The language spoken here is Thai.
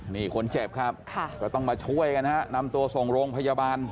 นี่คนเจ็บครับก็ต้องมาช่วยกันฮะนำตัวส่งโรงพยาบาล